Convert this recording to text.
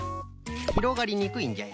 ひろがりにくいんじゃよ。